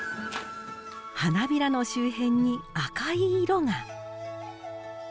花びらの周辺に赤い色が。